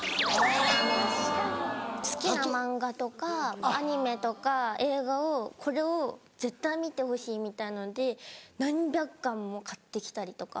・確かに・好きな漫画とかアニメとか映画をこれを絶対見てほしいみたいなので何百巻も買ってきたりとか。